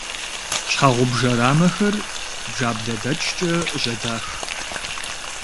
Щхьэгъубжэ рамэхэр бжаблэдэчкӏэ жьэдах.